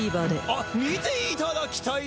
あっ見ていただきたい！